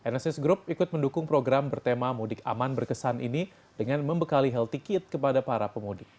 nsis group ikut mendukung program bertema mudik aman berkesan ini dengan membekali healthy kit kepada para pemudik